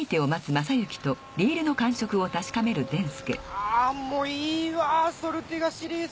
ああもういいわソルティガシリーズ。